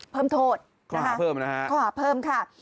เพิ่มโทษเข้าหาเพิ่มค่ะ